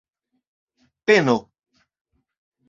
peno